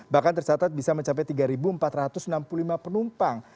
bahkan tercatat bisa mencapai tiga empat ratus enam puluh lima penumpang